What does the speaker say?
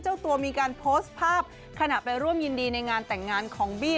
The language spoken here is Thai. เจ้าตัวมีการโพสต์ภาพขณะไปร่วมยินดีในงานแต่งงานของบี้